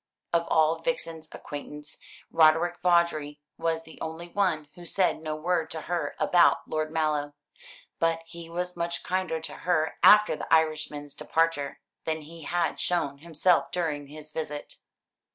Of all Vixen's acquaintance, Roderick Vawdrey was the only one who said no word to her about Lord Mallow; but he was much kinder to her after the Irishman's departure than he had shown himself during his visit.